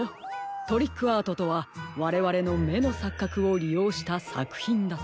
トリックアートとはわれわれのめのさっかくをりようしたさくひんだと。